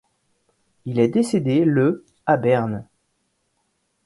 Il est décédé le à Berne.